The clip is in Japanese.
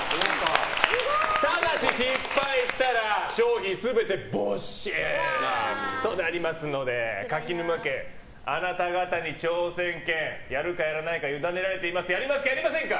ただし失敗したら商品全て没収となりますので柿沼家、あなた方に挑戦権やるかやらないかゆだねられていますやりますかやりませんか。